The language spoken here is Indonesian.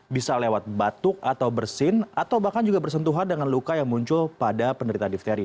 bisa lewat batuk atau bersin atau bahkan juga bersentuhan dengan luka yang muncul pada penderita difteri